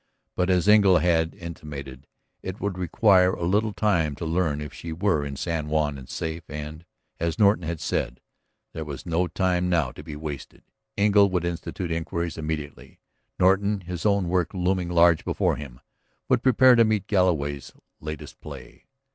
But, as Engle had intimated, it would require but little time to learn if she were in San Juan and safe, and, as Norton had said, there was no time now to be wasted. Engle would institute inquiries immediately; Norton, his own work looming large before him, would prepare to meet Galloway's latest play.